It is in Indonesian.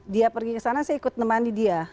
dia pergi ke sana saya ikut nemani dia